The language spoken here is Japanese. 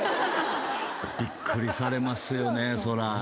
びっくりされますよねそら。